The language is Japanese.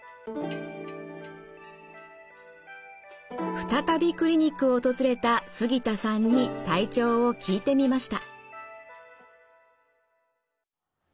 再びクリニックを訪れた杉田さんに体調を聞いてみました。